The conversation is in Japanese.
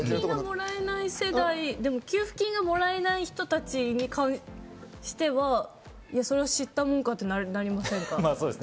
給付金がもらえない人たちにしたら、知ったもんかってなりませんかね。